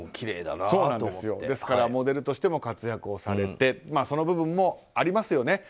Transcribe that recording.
ですから、モデルとしても活躍されてその部分もありますよね。